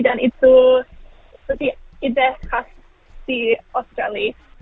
dan itu seperti ide khas di australia